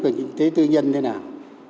và kinh tế tư nhân thế nào